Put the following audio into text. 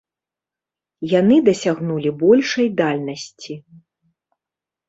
Яны дасягнулі большай дальнасці.